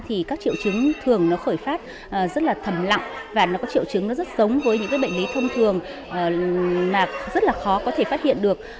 triệu chứng thường nó khởi phát rất là thầm lặng và nó có triệu chứng rất giống với những bệnh lý thông thường mà rất là khó có thể phát hiện được